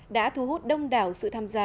đã thu hút đông đảo sự tham gia